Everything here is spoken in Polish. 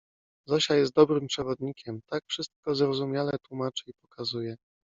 Zosia jest dobrym przewodnikiem: tak wszystko zrozumiale tłumaczy i pokazuje.